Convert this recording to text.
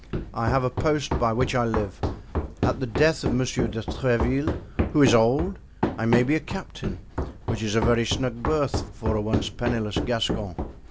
I have a post by which I live; at the death of Monsieur de Tréville, who is old, I may be a captain, which is a very snug berth for a once penniless Gascon.